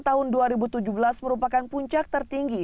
tahun dua ribu tujuh belas merupakan puncak tertinggi